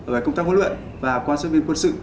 về công tác huấn luyện và quan sát viên quân sự